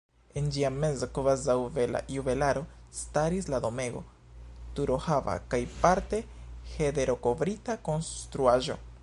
En ĝia mezo, kvazaŭ bela juvelaro, staris la domego, turohava kaj parte hederokovrita konstruaĵo.